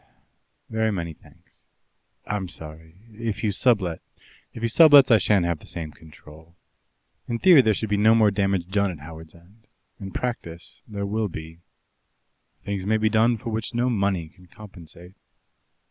"Very many thanks. I'm sorry if you sublet ?" "If he sublets, I shan't have the same control. In theory there should be no more damage done at Howards End; in practice there will be. Things may be done for which no money can compensate.